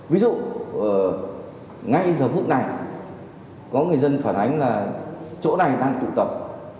ví dụ ngay giờ phút này có người dân phản ánh là chỗ này đang tụ tập